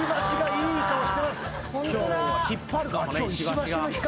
今日は引っ張るかもね石橋が。